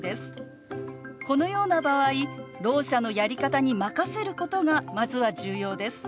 このような場合ろう者のやり方に任せることがまずは重要です。